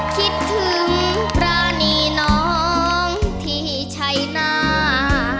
คิดถึงปรานีน้องที่ชัยนา